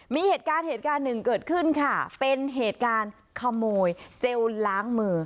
มีเหตุการณ์เหตุการณ์หนึ่งเกิดขึ้นค่ะเป็นเหตุการณ์ขโมยเจลล้างมือ